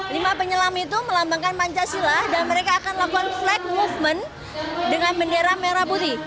lima penyelam itu melambangkan pancasila dan mereka akan lakukan flag movement dengan bendera merah putih